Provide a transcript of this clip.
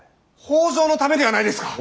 北条のためではないですか！